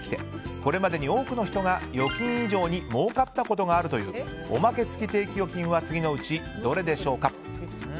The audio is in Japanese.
これまでに多くの人が預金以上に儲かったことがあるというおまけ付き定期預金は次のうちどれでしょうか。